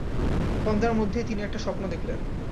তন্দ্রার মধ্যেই তিনি একটা স্বপ্ন দেখলেন।